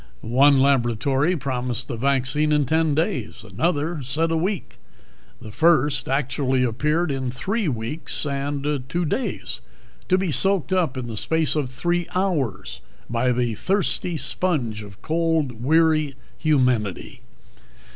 One laboratory promised the vaccine in ten days; another said a week. The first actually appeared in three weeks and two days, to be soaked up in the space of three hours by the thirsty sponge of cold weary humanity.